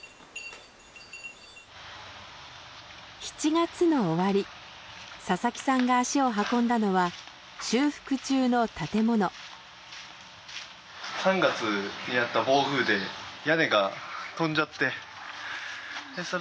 ７月の終わり佐々木さんが足を運んだのは修復中の建物。という感じです。